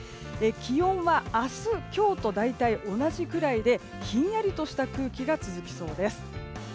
気温は明日、今日と大体同じくらいでひんやりとした空気が続きそうです。